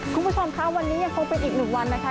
คุณผู้ชมคะวันนี้ยังคงเป็นอีกหนึ่งวันนะคะ